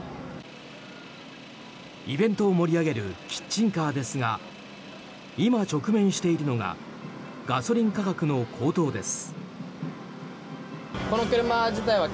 イベントを盛り上げるキッチンカーですが今、直面しているのがガソリン価格の高騰です。